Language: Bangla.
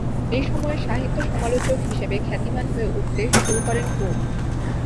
এই সময়েই সাহিত্য সমালোচক হিসেবে খ্যাতিমান হয়ে উঠতে শুরু করেন পো।